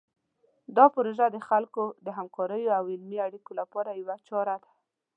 دا پروژه د خلکو د همکاریو او علمي اړیکو لپاره یوه چاره ده.